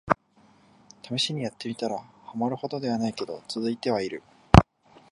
ためしにやってみたら、ハマるほどではないけど続いてはいる